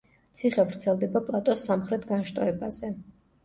ციხე ვრცელდება პლატოს სამხრეთ განშტოებაზე.